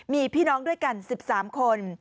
มีพี่น้องด้วยกัน๑๓คน